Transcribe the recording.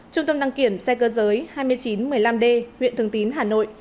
trung tâm đăng kiểm xe cơ giới hai nghìn chín trăm một mươi năm d huyện thường tín hà nội